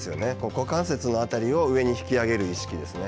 股関節の辺りを上に引き上げる意識。